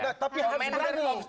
nah tapi harus benar nih